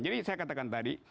jadi saya katakan tadi